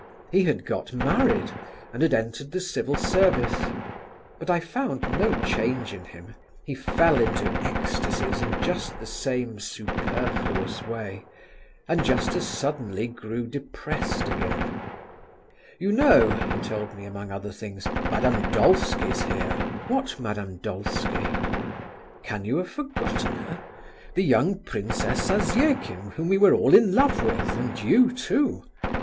He had got married, and had entered the civil service; but I found no change in him. He fell into ecstasies in just the same superfluous way, and just as suddenly grew depressed again. "You know," he told me among other things, "Madame Dolsky's here." "What Madame Dolsky?" "Can you have forgotten her?—the young Princess Zasyekin whom we were all in love with, and you too.